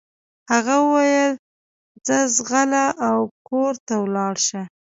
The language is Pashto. هغه وويل ځه ځغله او کور ته ولاړه شه.